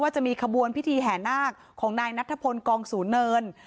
จะมีขบวนพิธีแห่นาคของนายนัทพลกองศูนย์เนิน